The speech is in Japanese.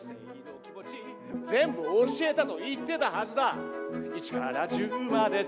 全部教えたと言ってたはずだ。